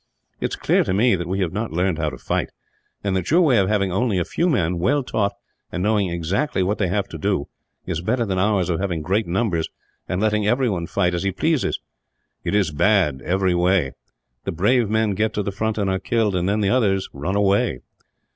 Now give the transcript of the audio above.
"It is clear to me that we have not learnt how to fight, and that your way of having only a few men, well taught and knowing exactly what they have to do, is better than ours of having great numbers, and letting everyone fight as he pleases. It is bad, every way. The brave men get to the front, and are killed; and then the others run away.